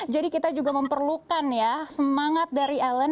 jadi kita juga memperlukan ya semangat dari ellen